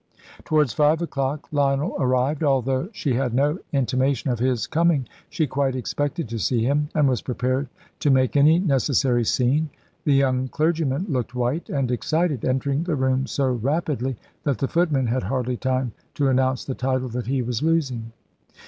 Towards five o'clock Lionel arrived. Although she had no intimation of his coming, she quite expected to see him, and was prepared to make any necessary scene. The young clergyman looked white and excited, entering the room so rapidly that the footman had hardly time to announce the title that he was losing.